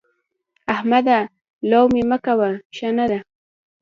احمده! لو منې مه کوه؛ ښه نه ده.